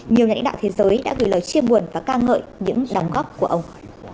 nhiều nhà lãnh đạo thế giới đã gửi lời chia buồn và ca ngợi những đóng góp của ông